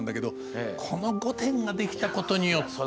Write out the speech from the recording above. この御殿ができたことによって。